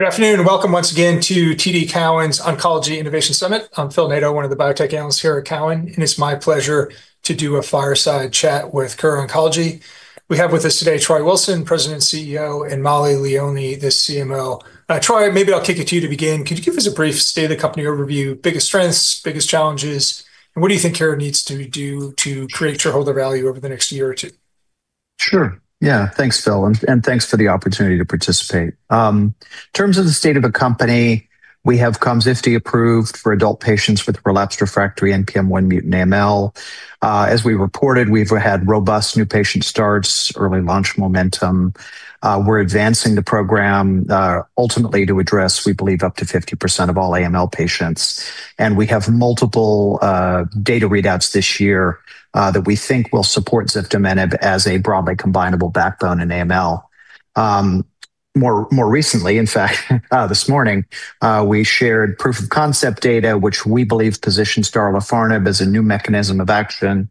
Good afternoon. Welcome once again to TD Cowen's Oncology Innovation Summit. I'm Phil Nadeau, one of the biotech analysts here at Cowen, and it's my pleasure to do a fireside chat with Kura Oncology. We have with us today Troy Wilson, President and CEO, and Mollie Leoni, the CMO. Now, Troy, maybe I'll kick it to you to begin. Can you give us a brief state of the company overview, biggest strengths, biggest challenges, and what do you think Kura needs to do to create shareholder value over the next year or two? Sure. Yeah. Thanks, Phil Nadeau, and thanks for the opportunity to participate. In terms of the state of the company, we have KOMZIFTI approved for adult patients with relapsed/refractory NPM1-mutant AML. As we reported, we've had robust new patient starts, early launch momentum. We're advancing the program, ultimately to address, we believe, up to 50% of all AML patients. We have multiple data readouts this year that we think will support ziftomenib as a broadly combinable backbone in AML. More recently, in fact, this morning, we shared proof of concept data, which we believe positions darlifarnib as a new mechanism of action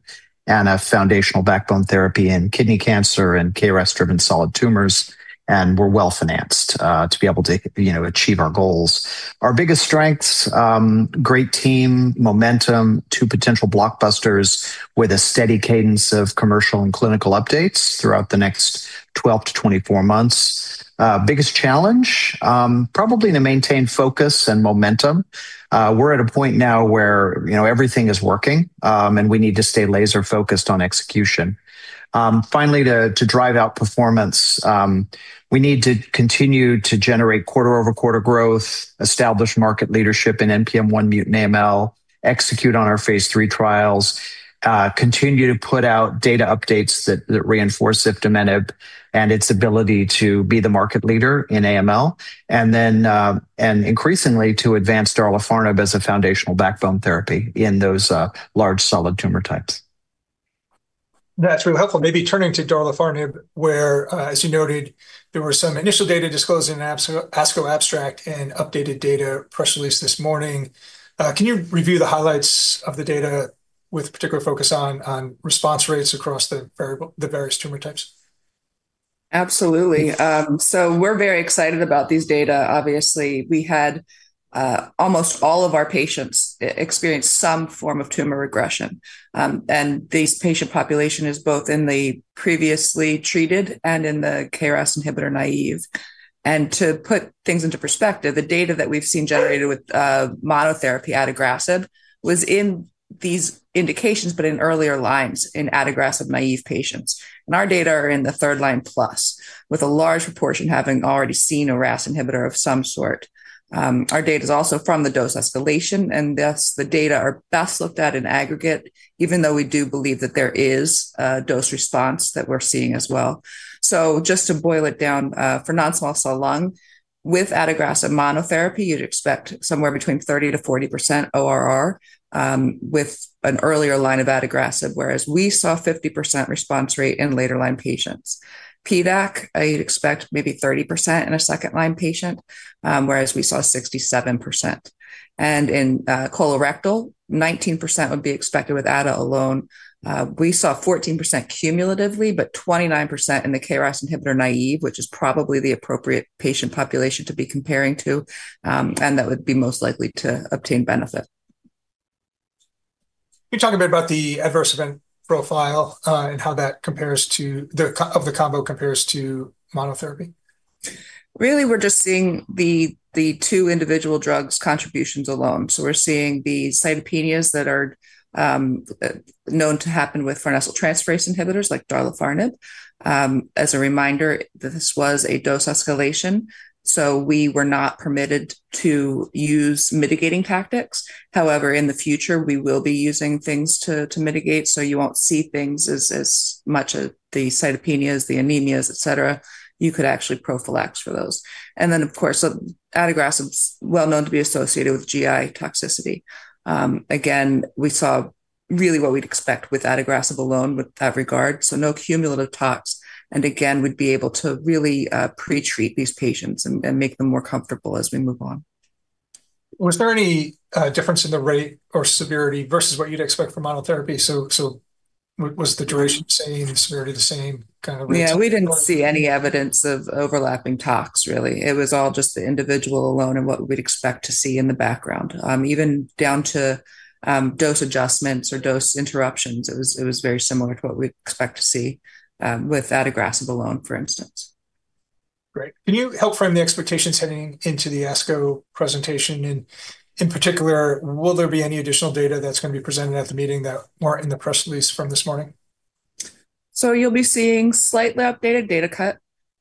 and a foundational backbone therapy in kidney cancer and KRAS-driven solid tumors. We're well-financed to be able to achieve our goals. Our biggest strengths, great team, momentum, two potential blockbusters with a steady cadence of commercial and clinical updates throughout the next 12-24 months. Biggest challenge, probably to maintain focus and momentum. We're at a point now where everything is working, and we need to stay laser-focused on execution. Finally, to drive out performance, we need to continue to generate quarter-over-quarter growth, establish market leadership in NPM1-mutant AML, execute on our phase III trials, continue to put out data updates that reinforce ziftomenib and its ability to be the market leader in AML, and increasingly to advance tipifarnib as a foundational backbone therapy in those large solid tumor types. That's really helpful. Maybe turning to adagrasib where, as you noted, there were some initial data disclosed in an ASCO abstract and updated data press release this morning. Can you review the highlights of the data with particular focus on response rates across the various tumor types? Absolutely. We're very excited about these data. Obviously, we had almost all of our patients experience some form of tumor regression. This patient population is both in the previously treated and in the KRAS inhibitor-naive. To put things into perspective, the data that we've seen generated with monotherapy adagrasib was in these indications but in earlier lines in adagrasib-naive patients. Our data are in the third-line plus, with a large proportion having already seen a RAS inhibitor of some sort. Our data is also from the dose escalation, and thus the data are best looked at in aggregate, even though we do believe that there is a dose response that we're seeing as well. Just to boil it down, for non-small cell lung, with adagrasib monotherapy, you'd expect somewhere between 30%-40% ORR with an earlier line of adagrasib, whereas we saw 50% response rate in later line patients. PDAC, you'd expect maybe 30% in a second-line patient, whereas we saw 67%. In colorectal, 19% would be expected with ada alone. We saw 14% cumulatively, but 29% in the KRAS inhibitor-naive, which is probably the appropriate patient population to be comparing to, and that would be most likely to obtain benefit. Can you talk a bit about the adverse event profile and how the combo compares to monotherapy? Really, we're just seeing the two individual drugs' contributions alone. We're seeing the cytopenias that are known to happen with farnesyltransferase inhibitors like tipifarnib. As a reminder, this was a dose escalation, so we were not permitted to use mitigating tactics. However, in the future, we will be using things to mitigate, so you won't see things as much of the cytopenias, the anemias, et cetera. You could actually prophylax for those. Then, of course, adagrasib's well known to be associated with GI toxicity. Again, we saw really what we'd expect with adagrasib alone with Avrgard, so no cumulative tox, and again, we'd be able to really pre-treat these patients and make them more comfortable as we move on. Was there any difference in the rate or severity versus what you'd expect for monotherapy? Was the duration the same, severity the same, coverage? We didn't see any evidence of overlapping tox, really. It was all just the individual alone and what we'd expect to see in the background. Even down to dose adjustments or dose interruptions, it was very similar to what we'd expect to see with adagrasib alone, for instance. Great. Can you help frame the expectations heading into the ASCO presentation? In particular, will there be any additional data that's going to be presented at the meeting that weren't in the press release from this morning? You'll be seeing a slightly updated data cut.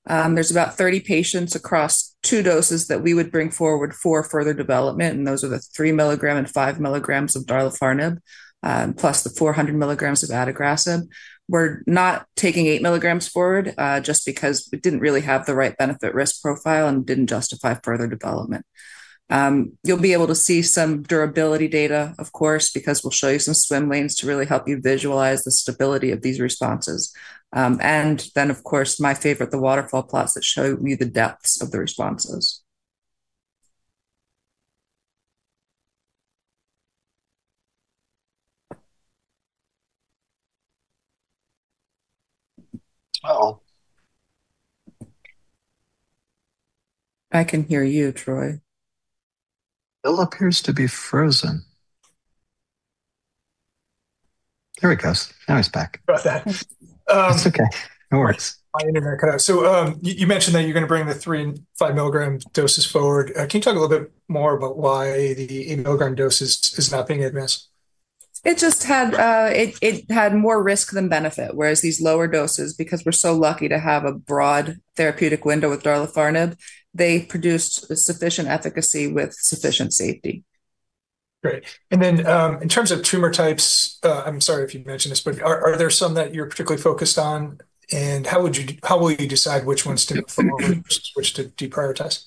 There's about 30 patients across two doses that we would bring forward for further development, and those are the 3 mg and 5 mg of darlifarnib, plus the 400 mg of adagrasib. We're not taking 8 mg forward just because it didn't really have the right benefit-risk profile and didn't justify further development. You'll be able to see some durability data, of course, because we'll show you some swim lanes to really help you visualize the stability of these responses. Of course, my favorite, the waterfall plots that show you the depths of the responses. I can hear you, Troy. Phil Nadeau appears to be frozen. Here we go. Now he's back. We're back. It's okay. No worries. You mentioned that you're going to bring the 3 mg and 5 mg doses forward. Can you talk a little bit more about why the 8 mg dose is not being advanced? It just had more risk than benefit. These lower doses, because we're so lucky to have a broad therapeutic window with darlifarnib, they produced sufficient efficacy with sufficient safety. Great. In terms of tumor types, I'm sorry if you mentioned this, but are there some that you're particularly focused on, and how will you decide which ones to promote versus which to deprioritize?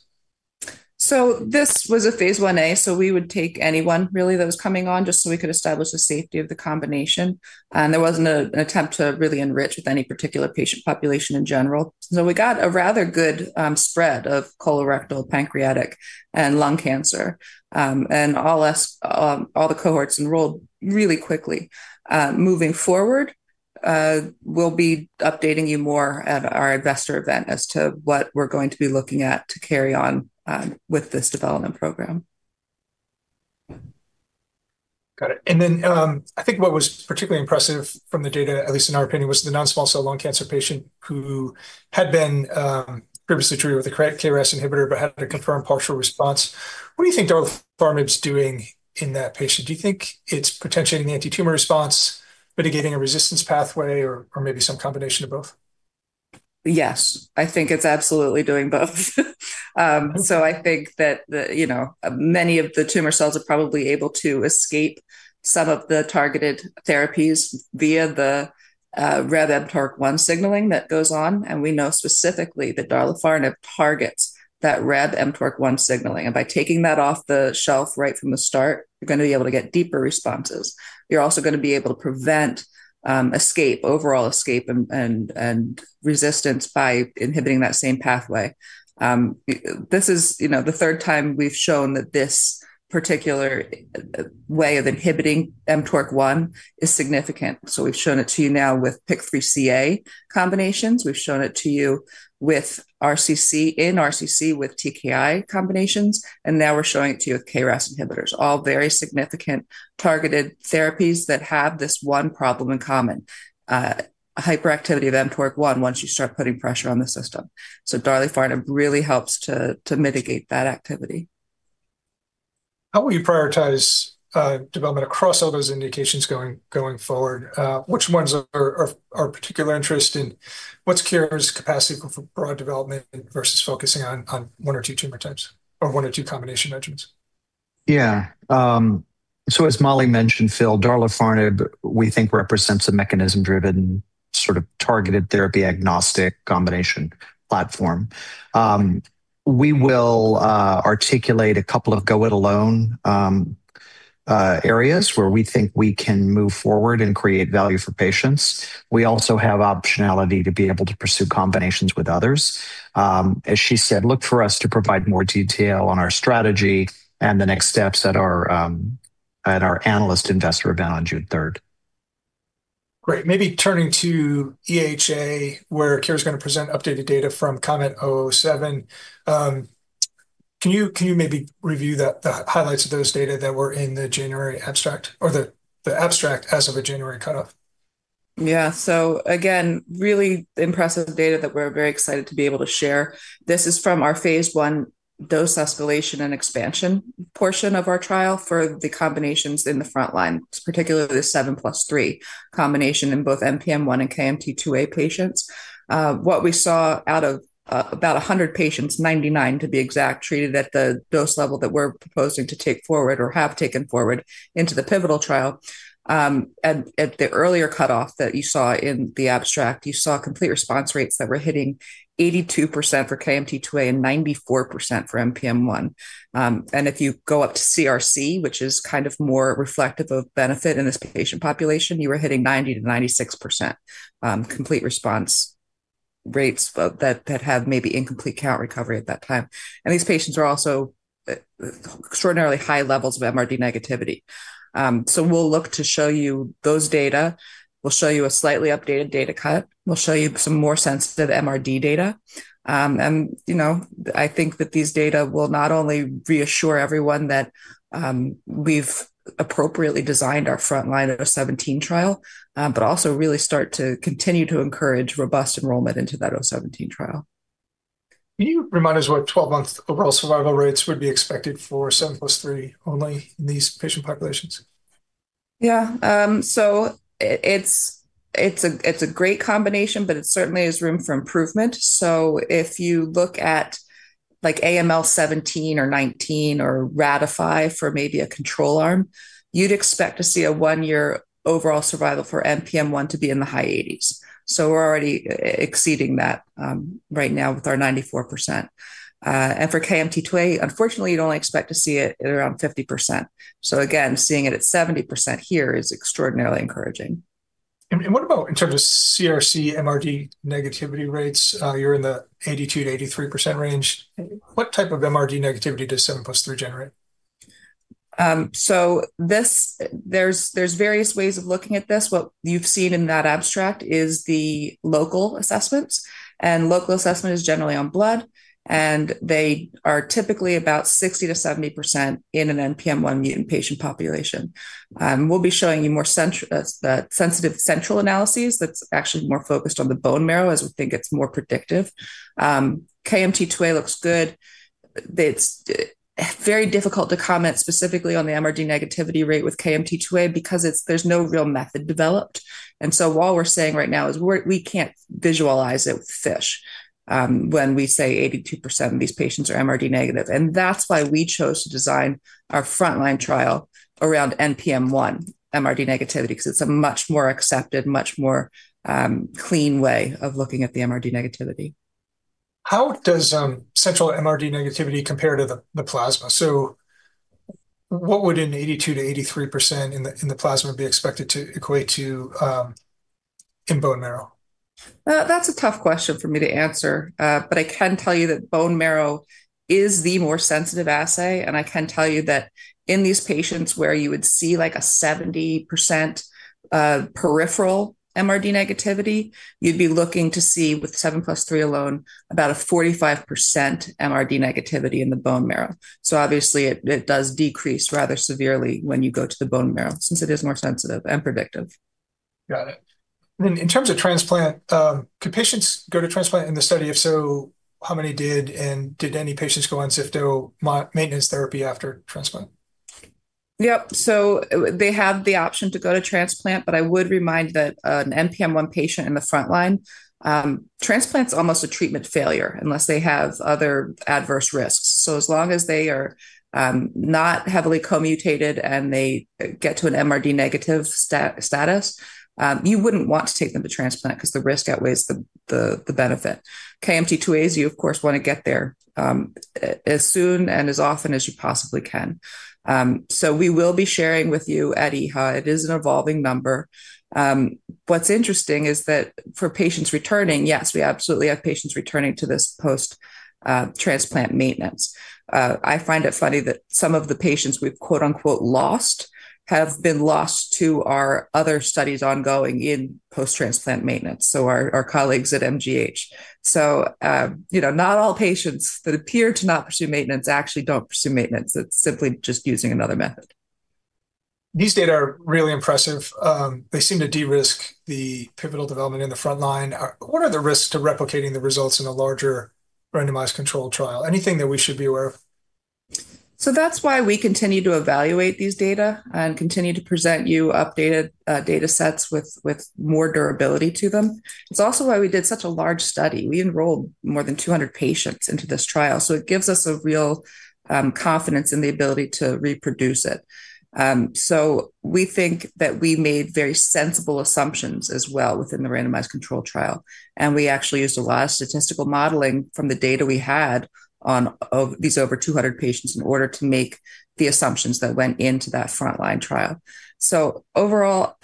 This was a phase I-A, so we would take anyone really that was coming on, just so we could establish the safety of the combination. It wasn't an attempt to really enrich with any particular patient population in general. We got a rather good spread of colorectal, pancreatic, and lung cancer. All the cohorts enrolled really quickly. Moving forward, we'll be updating you more at our investor event as to what we're going to be looking at to carry on with this development program. Got it. Then, I think what was particularly impressive from the data, at least in our opinion, was the non-small cell lung cancer patient who had been previously treated with a KRAS inhibitor but had a confirmed partial response. What do you think adagrasib is doing in that patient? Do you think it's potentially an anti-tumor response, mitigating a resistance pathway, or maybe some combination of both? Yes, I think it's absolutely doing both. I think that many of the tumor cells are probably able to escape some of the targeted therapies via the RAS mTORC1 signaling that goes on. We know specifically that darlifarnib targets that RAS mTORC1 signaling. By taking that off the shelf right from the start, you're going to be able to get deeper responses. You're also going to be able to prevent escape, overall escape, and resistance by inhibiting that same pathway. This is the third time we've shown that this particular way of inhibiting mTORC1 is significant. We've shown it to you now with PIK3CA combinations, we've shown it to you in RCC with TKI combinations, and now we're showing it to you with KRAS inhibitors. All very significant targeted therapies that have this one problem in common, hyperactivity of mTORC1 once you start putting pressure on the system. darlifarnib really helps to mitigate that activity. How will you prioritize development across all those indications going forward? Which ones are of particular interest, and what's Kura's capacity for broad development versus focusing on one or two tumor types or one or two combination agents? As Mollie mentioned, Phil, darlifarnib, we think represents a mechanism-driven sort of targeted therapy, agnostic combination platform. We will articulate a couple of go-it-alone areas where we think we can move forward and create value for patients. We also have optionality to be able to pursue combinations with others. As she said, look for us to provide more detail on our strategy and the next steps at our analyst investor event on June 3rd. Great. Maybe turning to EHA, where Kura's going to present updated data from KOMET-007. Can you maybe review the highlights of those data that were in the January abstract or the abstract as of the January cutoff? Again, really impressive data that we're very excited to be able to share. This is from our phase I dose escalation and expansion portion of our trial for the combinations in the frontline, particularly the 7+3 combination in both NPM1 and KMT2A patients. What we saw out of about 100 patients, 99 to be exact, treated at the dose level that we're proposing to take forward or have taken forward into the pivotal trial. At the earlier cutoff that you saw in the abstract, you saw complete response rates that were hitting 82% for KMT2A and 94% for NPM1. If you go up to CRc, which is kind of more reflective of benefit in this patient population, you were hitting 90%-96% complete response rates that had maybe incomplete count recovery at that time. These patients are also extraordinarily high levels of MRD negativity. We'll look to show you those data. We'll show you a slightly updated data cut. We'll show you some more sensitive MRD data. I think that these data will not only reassure everyone that we've appropriately designed our frontline KOMET-017 trial, but also really start to continue to encourage robust enrollment into that KOMET-017 trial. Can you remind us what 12 month overall survival rates would be expected for 7+3 only in these patient populations? It's a great combination, but it certainly has room for improvement. If you look at AML 17 or 19 or RATIFY for maybe a control arm, you'd expect to see a one-year overall survival for NPM1 to be in the high 80s. We're already exceeding that right now with our 94%. For KMT2A, unfortunately, you'd only expect to see it at around 50%. Again, seeing it at 70% here is extraordinarily encouraging. What about in terms of CRc MRD negativity rates? You're in the 82%-83% range. What type of MRD negativity does 7+3 generate? There's various ways of looking at this. What you've seen in that abstract is the local assessments, and local assessment is generally on blood, and they are typically about 60%-70% in an NPM1 mutant patient population. We'll be showing you more sensitive central analyses that's actually more focused on the bone marrow, as we think it's more predictive. KMT2A looks good. It's very difficult to comment specifically on the MRD negativity rate with KMT2A because there's no real method developed. What we're saying right now is we can't visualize it with FISH when we say 82% of these patients are MRD negative. That's why we chose to design our frontline trial around NPM1 MRD negativity, because it's a much more accepted, much more clean way of looking at the MRD negativity. How does central MRD negativity compare to the plasma? What would an 82%-83% in the plasma be expected to equate to in bone marrow? That's a tough question for me to answer. I can tell you that bone marrow is the more sensitive assay, and I can tell you that in these patients where you would see a 70% peripheral MRD negativity, you'd be looking to see, with 7+3 alone, about a 45% MRD negativity in the bone marrow. Obviously, it does decrease rather severely when you go to the bone marrow, since it is more sensitive and predictive. Got it. In terms of transplant, do patients go to transplant in the study? If so, how many did, and did any patients go on cyto maintenance therapy after transplant? Yep. They have the option to go to transplant, but I would remind that an NPM1 patient in the frontline, transplant's almost a treatment failure unless they have other adverse risks. As long as they are not heavily co-mutated and they get to an MRD negative status, you wouldn't want to take them to transplant because the risk outweighs the benefit. KMT2As, you of course, want to get there as soon and as often as you possibly can. We will be sharing with you at EHA. It is an evolving number. What's interesting is that for patients returning, yes, we absolutely have patients returning to this post-transplant maintenance. I find it funny that some of the patients we "lost" have been lost to our other studies ongoing in post-transplant maintenance, our colleagues at MGH. Not all patients that appear to not pursue maintenance actually don't pursue maintenance. It's simply just using another method. These data are really impressive. They seem to de-risk the pivotal development in the frontline. What are the risks of replicating the results in a larger randomized control trial? Anything that we should be aware of? That's why we continue to evaluate these data and continue to present you updated data sets with more durability to them. It's also why we did such a large study. We enrolled more than 200 patients into this trial, so it gives us a real confidence in the ability to reproduce it. We think that we made very sensible assumptions as well within the randomized control trial, and we actually used a lot of statistical modeling from the data we had on these over 200 patients in order to make the assumptions that went into that frontline trial. Overall,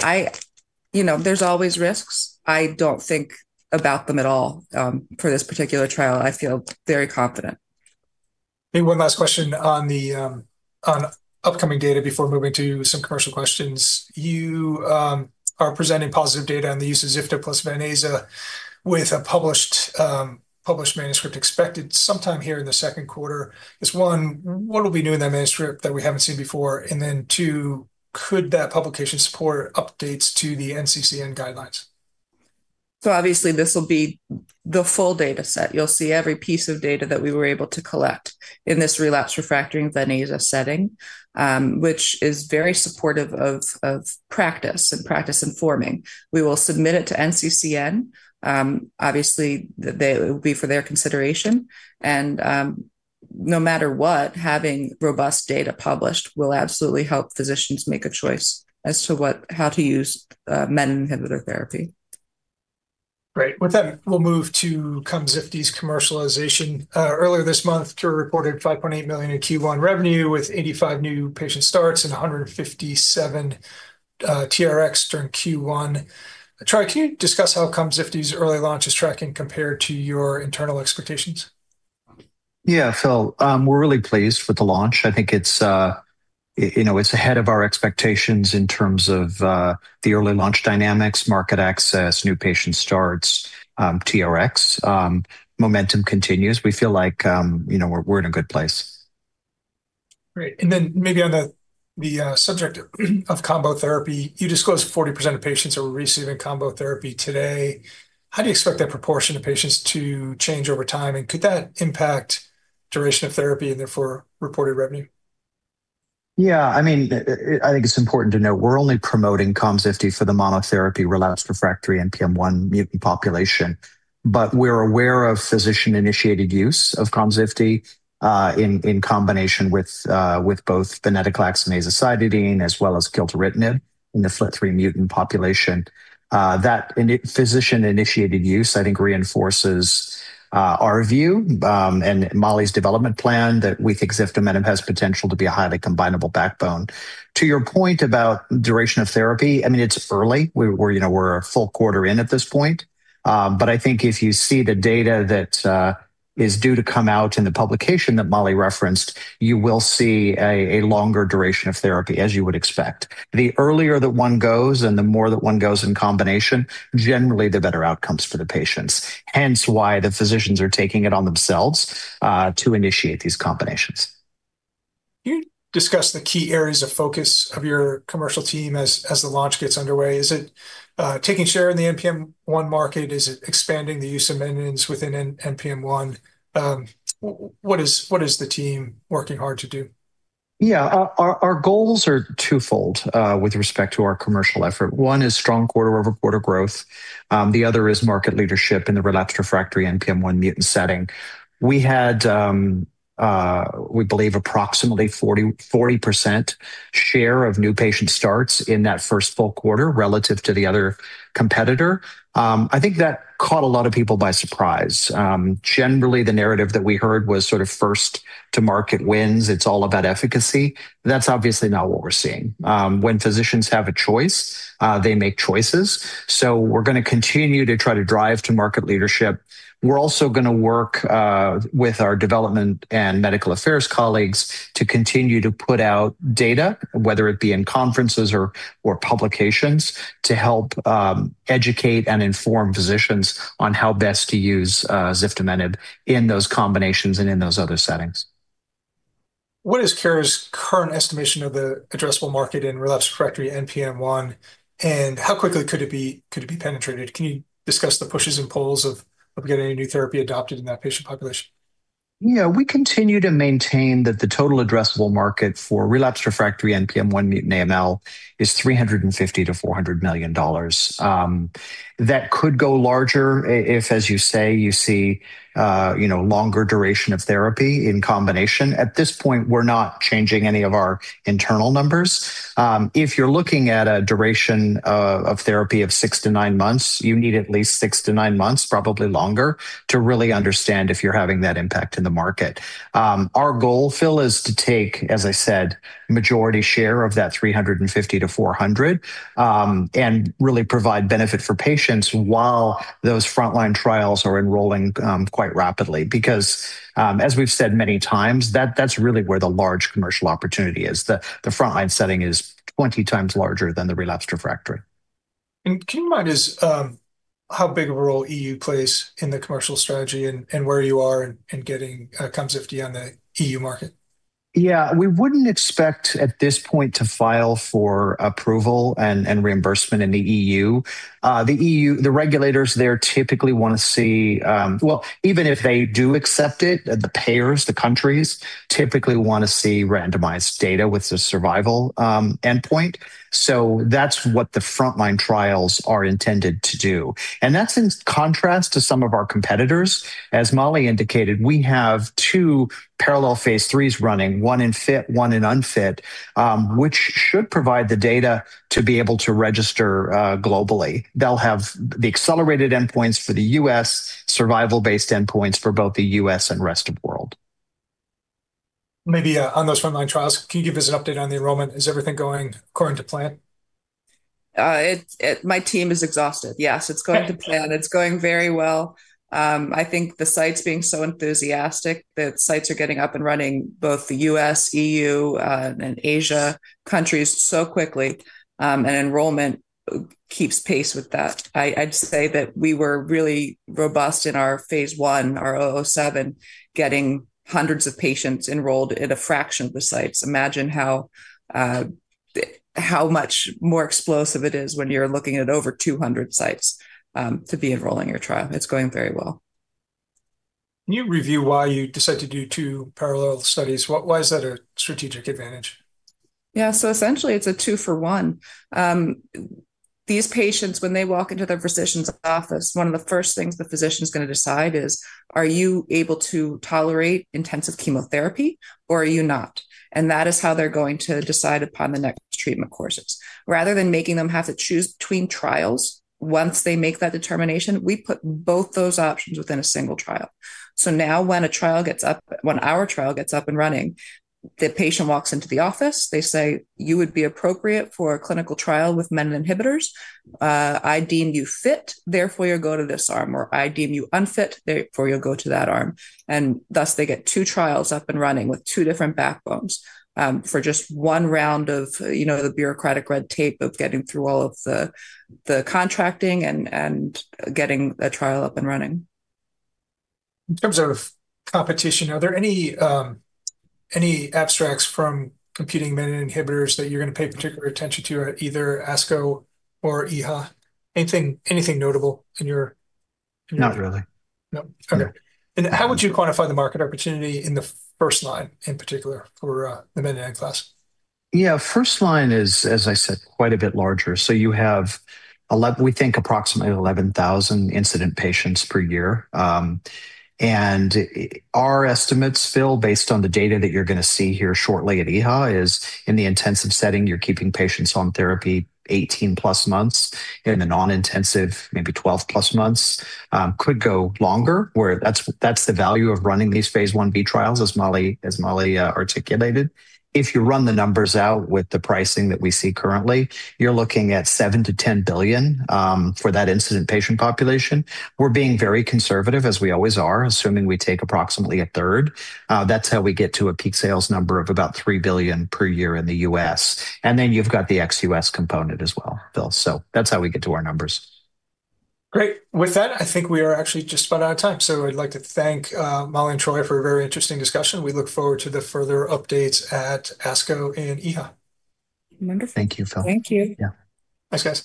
there's always risks. I don't think about them at all for this particular trial. I feel very confident. One last question on upcoming data before moving to some commercial questions. You are presenting positive data on the use of zifto post veneto with a published manuscript expected sometime here in the second quarter. One, what will be in the manuscript that we haven't seen before? Two, could that publication support updates to the NCCN guidelines? Obviously this will be the full data set. You'll see every piece of data that we were able to collect in this relapsed/refractory veneto setting, which is very supportive of practice and practice informing. We will submit it to NCCN. Obviously, it will be for their consideration. No matter what, having robust data published will absolutely help physicians make a choice as to how to use menin inhibitor therapy. Great. With that, we'll move to KOMZIFTI's commercialization. Earlier this month, Kura reported $5.8 million in Q1 revenue with 85 new patient starts and 157 TRX during Q1. Troy, can you discuss how KOMZIFTI's early launch is tracking compared to your internal expectations? Yeah, Phil, we're really pleased with the launch. I think it's ahead of our expectations in terms of the early launch dynamics, market access, new patient starts, TRX. Momentum continues. We feel like we're in a good place. Great. Maybe on the subject of combo therapy, you disclosed 40% of patients are receiving combo therapy today. How do you expect that proportion of patients to change over time, and could that impact duration of therapy and therefore reported revenue? I think it's important to note we're only promoting KOMZIFTI for the monotherapy relapsed/refractory NPM1 mutant population. We're aware of physician-initiated use of KOMZIFTI in combination with both venetoclax and azacitidine, as well as gilteritinib in the FLT3 mutant population. That physician-initiated use, I think, reinforces our view and Mollie Leoni's development plan that we think ziftomenib has potential to be a highly combinable backbone. To your point about duration of therapy, it's early. We're a full quarter in at this point. I think if you see the data that is due to come out in the publication that Mollie Leoni referenced, you will see a longer duration of therapy, as you would expect. The earlier that one goes and the more that one goes in combination, generally the better outcomes for the patients, hence why the physicians are taking it on themselves to initiate these combinations. Can you discuss the key areas of focus of your commercial team as the launch gets underway? Is it taking share in the NPM1 market? Is it expanding the use of menin inhibitors within NPM1? What is the team working hard to do? Yeah. Our goals are twofold with respect to our commercial effort. One is strong quarter-over-quarter growth. The other is market leadership in the relapsed/refractory NPM1 mutant setting. We had, we believe, approximately 40% share of new patient starts in that first full quarter relative to the other competitor. I think that caught a lot of people by surprise. Generally, the narrative that we heard was sort of first to market wins. It's all about efficacy. That's obviously not what we're seeing. We're going to continue to try to drive to market leadership. We're also going to work with our development and medical affairs colleagues to continue to put out data, whether it be in conferences or publications, to help educate and inform physicians on how best to use ziftomenib in those combinations and in those other settings. What is Kura's current estimation of the addressable market in relapsed/refractory NPM1, and how quickly could it be penetrated? Can you discuss the pushes and pulls of getting a new therapy adopted in that patient population? We continue to maintain that the total addressable market for relapsed/refractory NPM1 mutant AML is $350 million-$400 million. That could go larger if, as you say, you see longer duration of therapy in combination. At this point, we're not changing any of our internal numbers. If you're looking at a duration of therapy of six to nine months, you need at least six to nine months, probably longer, to really understand if you're having that impact in the market. Our goal, Phil, is to take, as I said, majority share of that $350 million-$400 million and really provide benefit for patients while those frontline trials are enrolling quite rapidly. As we've said many times, that's really where the large commercial opportunity is. The frontline setting is 20 times larger than the relapsed/refractory. Can you remind us how big a role EU plays in the commercial strategy and where you are in getting KOMZIFTI in the EU market? Yeah. We wouldn't expect at this point to file for approval and reimbursement in the EU. The regulators there typically want to see, well, even if they do accept it, the payers, the countries, typically want to see randomized data with the survival endpoint. That's what the frontline trials are intended to do, and that's in contrast to some of our competitors. As Mollie indicated, we have two parallel phase IIIs running, one in fit, one in unfit, which should provide the data to be able to register globally. They'll have the accelerated endpoints for the US, survival-based endpoints for both the U.S. and rest of world. On those frontline trials, can you give us an update on the enrollment? Is everything going according to plan? My team is exhausted. Yes, it's going to plan. It's going very well. I think the sites being so enthusiastic that sites are getting up and running, both the U.S., EU, and Asia countries so quickly, and enrollment keeps pace with that. I'd say that we were really robust in our phase I, our KOMET-007, getting hundreds of patients enrolled in a fraction of the sites. Imagine how much more explosive it is when you're looking at over 200 sites to be enrolling your trial. It's going very well. Can you review why you decided to do two parallel studies? Why is that a strategic advantage? Yeah. Essentially it's a two for one. These patients, when they walk into their physician's office, one of the first things the physician's going to decide is, are you able to tolerate intensive chemotherapy or are you not? That is how they're going to decide upon the next treatment courses. Rather than making them have to choose between trials, once they make that determination, we put both those options within a single trial. Now when our trial gets up and running, the patient walks into the office, they say, "You would be appropriate for a clinical trial with menin inhibitors. I deem you fit, therefore you'll go to this arm," or, "I deem you unfit, therefore you'll go to that arm." Thus they get two trials up and running with two different backbones for just one round of the bureaucratic red tape of getting through all of the contracting and getting the trial up and running. In terms of competition, are there any abstracts from competing menin inhibitors that you're going to pay particular attention to at either ASCO or EHA? Anything notable? Not really. No. Okay. No. How would you quantify the market opportunity in the first line in particular for the menin inhibitors? First line is, as I said, quite a bit larger. You have 11, we think approximately 11,000 incident patients per year. Our estimates, Phil Nadeau, based on the data that you're going to see here shortly at EHA, is in the intensive setting, you're keeping patients on therapy 18+ months. In the non-intensive, maybe 12+ months. Could go longer, where that's the value of running these phase I-b trials, as Mollie Leoni articulated. If you run the numbers out with the pricing that we see currently, you're looking at $7 billion-$10 billion for that incident patient population. We're being very conservative, as we always are, assuming we take approximately a third. That's how we get to a peak sales number of about $3 billion per year in the U.S. Then you've got the ex-U.S. component as well, Phil Nadeau. That's how we get to our numbers. Great. With that, I think we are actually just about out of time. I'd like to thank Mollie and Troy for a very interesting discussion. We look forward to the further updates at ASCO and EHA. Thank you, Phil. Thank you. Yeah. Thanks guys.